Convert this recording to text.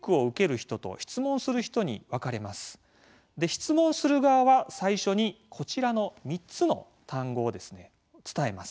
質問する側は最初にこちらの３つの単語をですね伝えます。